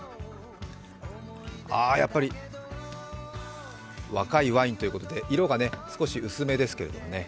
あ、やっぱり若いワインということで色が少し薄めですけどね。